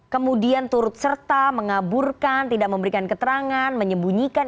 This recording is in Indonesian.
kemudian turut serta mengaburkan tidak memberikan keterangan menyembunyikan